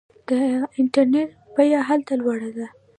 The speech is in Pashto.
د انټرنیټ بیه هلته لوړه ده.